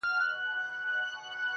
څنگ ته چي زه درغــــلـم.